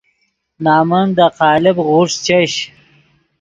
نَمن دے قالب غوݰ چش